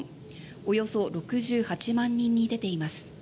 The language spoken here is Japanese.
およそ６８万人に出ています。